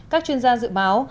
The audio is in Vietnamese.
các chuyên gia dự báo